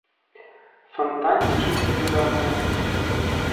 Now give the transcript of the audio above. Фантан не чысцілі даўно.